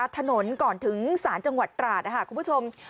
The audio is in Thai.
ถนนก่อนถึงศาลจังหวัดตราดคุณผู้ชม